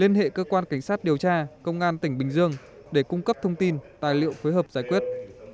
liên hệ cơ quan cảnh sát điều tra công an tỉnh bình dương để cung cấp thông tin tài liệu phối hợp giải quyết